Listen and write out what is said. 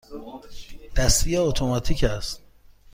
دستی یا اتوماتیک است؟